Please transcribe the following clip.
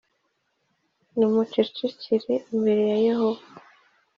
nimucecekere imbere ya Yehova